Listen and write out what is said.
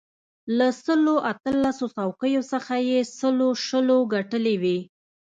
له سلو اتلسو څوکیو څخه یې سلو شلو ګټلې وې.